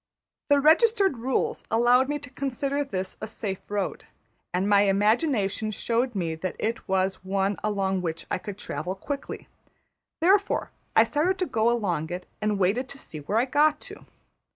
The registered rules allowed me to consider this a safe road; and my imagination showed me that it was one along which I could travel quickly; therefore I started to go along it and waited to see where I got to.